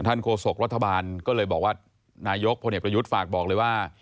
โฆษกรัฐบาลก็เลยบอกว่านายกพลเอกประยุทธ์ฝากบอกเลยว่า